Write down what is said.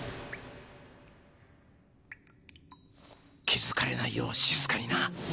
気づかれないようしずかにな。